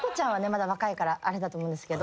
まだ若いからあれだと思うんですけど。